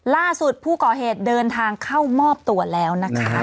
ล่าสุดผู้ก่อเหตุเดินทางเข้ามอบตัวแล้วนะคะ